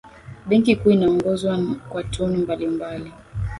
benki kuu inaongozwa kwa tunu mbalimbali